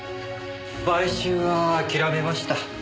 買収は諦めました。